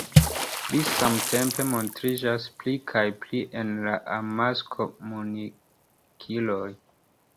Li samtempe montriĝas pli kaj pli en la amaskomunikiloj.